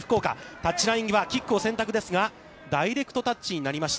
タッチライン際、キックを選択ですが、ダイレクトタッチになりました。